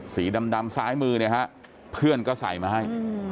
สีดำซ้ายมือเนี่ยฮะเพื่อนก็ใส่มาให้